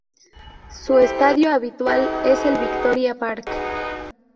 Su estadio habitual es el Victoria Park.